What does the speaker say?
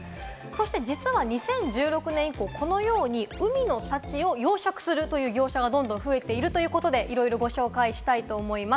実は２０１６年以降、このように海の幸を養殖するという業者がどんどん増えているということで、ご紹介したいと思います。